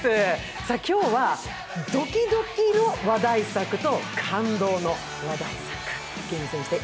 今日はドキドキの話題作と感動の話題作。